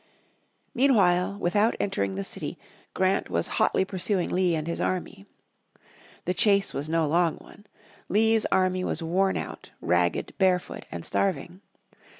Meanwhile, without entering the city, Grant was hotly pursuing Lee and his army. The chase was no long one. Lee's army was worn out, ragged, barefoot and starving.